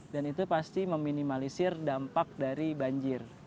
dan itu pasti meminimalisir dampak dari banjir